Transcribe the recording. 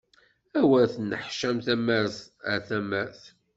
Awer tenneḥcam tamart ar tamart!